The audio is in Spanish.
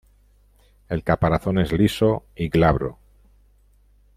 El caparazón es liso y glabro.